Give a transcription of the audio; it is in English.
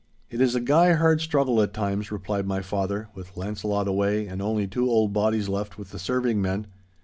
'It is a gye hard struggle at times,' replied my father, 'with Launcelot away and only two old bodies left with the serving men.